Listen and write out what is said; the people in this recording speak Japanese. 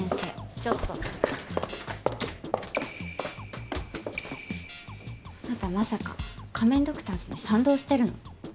ちょっとあなたまさか仮面ドクターズに賛同してるの？